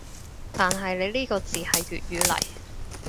但係你呢個字係粵語嚟